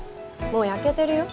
もう焼けてるよ。